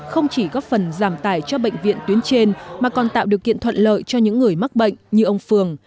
không chỉ góp phần giảm tài cho bệnh viện tuyến trên mà còn tạo điều kiện thuận lợi cho những người mắc bệnh như ông phường